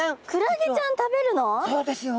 そうですよ。